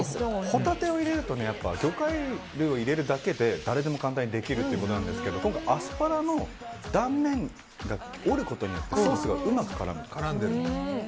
ホタテを入れると魚介類を入れるだけで誰でも簡単にできるということなんですが今回アスパラの断面を折ることによってソースがうまく絡む。